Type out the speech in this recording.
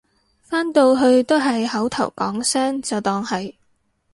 返到去都係口頭講聲就當係